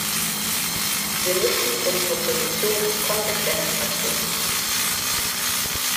Wir müssen unsere Position konsequent vertreten.